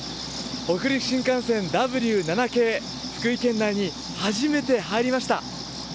北陸新幹線Ｗ７系、福井県内に初めて入りました。